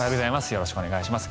よろしくお願いします。